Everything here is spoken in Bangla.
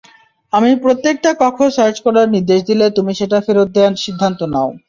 আমি প্রত্যেকটা কক্ষ সার্চ করার নির্দেশ দিলে তুমি সেটা ফেরত দেওয়ার সিদ্ধান্ত নাও।